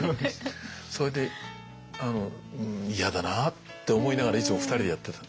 それで嫌だなって思いながらいつも２人でやってた。